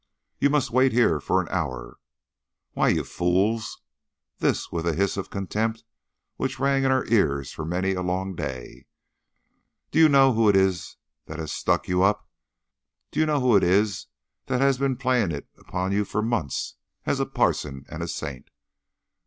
You must wait here for an hour. Why, you FOOLS" (this with a hiss of contempt which rang in our ears for many a long day), "do you know who it is that has stuck you up? Do you know who it is that has been playing it upon you for months as a parson and a saint?